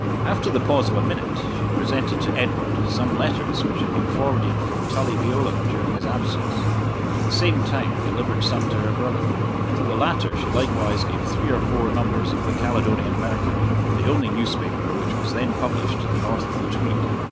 After the pause of a minute, she presented to Edward some letters which had been forwarded from Tully Veolan during his absence, and at the same time delivered some to her brother. To the latter she likewise gave three or four numbers of the Caledonian Mercury, the only newspaper which was then published to the north of the Tweed.